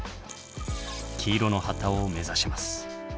黄色の旗を目指します。